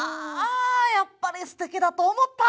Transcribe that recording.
あやっぱりすてきだと思った！